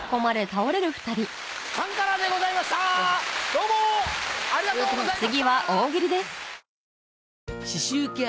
カンカラでございましたどうもありがとうございました！